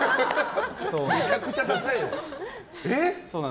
めちゃくちゃダサいな。